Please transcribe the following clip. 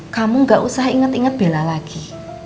kamu gak usah inget inget bela lagi